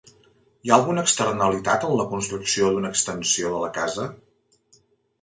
Hi ha alguna externalitat en la construcció d'una extensió de la casa?